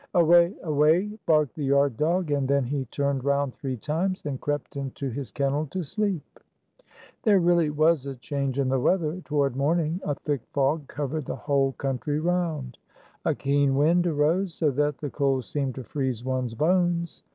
"Away! Away!" barked the yard dog, and then he turned round three times, and crept into his kennel to sleep. There really was a change in the weather. Toward morning, a thick fog covered the whole country round. A keen wind arose, so that the cold seemed to freeze one's bones.